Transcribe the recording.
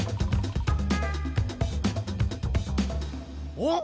おっ！